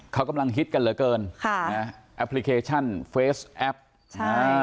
เขากำลังฮิตกันเหลือเกินค่ะนะแอปพลิเคชันเฟสแอปอ่า